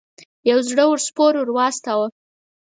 یو زړه ور سپور ور واستاوه.